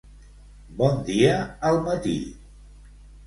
Bon dia al matí.